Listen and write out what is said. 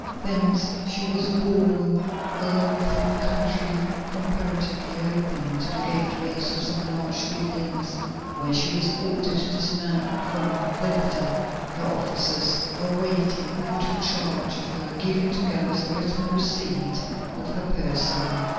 Thence she was borne along through country comparatively open, to the gateways of some large building, where she was ordered to dismount from the litter. Here officers were waiting who took charge of her, giving to Gallus a written receipt for her person.